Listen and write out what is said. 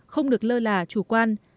không được lơ là chủ quan